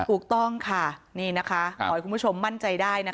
ถูกต้องค่ะนี่นะคะขอให้คุณผู้ชมมั่นใจได้นะคะ